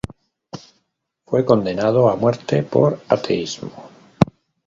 Fue condenado a muerte por ateísmo.